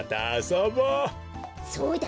そうだ。